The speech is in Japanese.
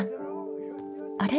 あれ？